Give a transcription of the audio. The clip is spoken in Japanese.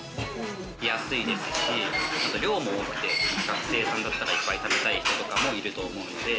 安いですし、量も多くて学生さんだったらいっぱい食べたい人とかもいると思うんで。